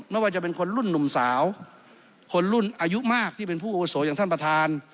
ไม่ว่าจะเป็นคนรุ่นหนุ่มสาวคนรุ่นอายุมากที่เป็นผู้โอโสอย่างท่านประธาน